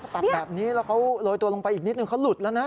ตัดแบบนี้แล้วเขาโรยตัวลงไปอีกนิดนึงเขาหลุดแล้วนะ